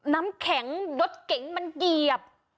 น้ำแข็งรถเก๋งมันเหยียบ